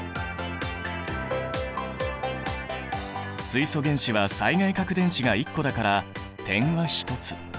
水素原子は最外殻電子が１個だから点は１つ。